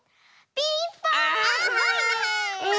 ピンポーン！